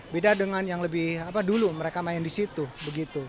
beda dengan yang lebih apa dulu mereka main di situ begitu